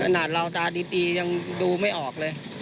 ขนาดเราตาดียังดูไม่ออกเลย